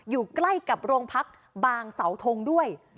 อยู่ใกล้กับโรงพักบางเสาทงด้วย